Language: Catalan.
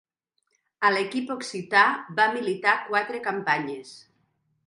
A l'equip occità va militar quatre campanyes.